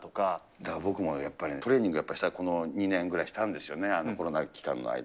だから僕もやっぱりトレーニングをしたんですよ、この２年ぐらいしたんですよね、コロナ期間の間。